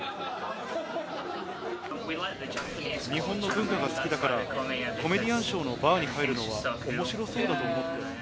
日本の文化が好きだから、コメディアンショーのバーに入るのは、おもしろそうだと思って。